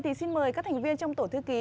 thì xin mời các thành viên trong tổ thư ký